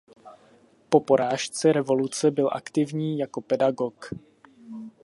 Po porážce revoluce byl aktivní jako pedagog.